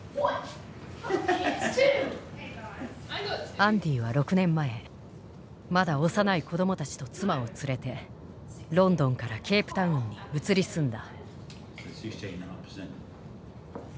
アンディは６年前まだ幼い子どもたちと妻を連れてロンドンからケープタウンに移り住んだ。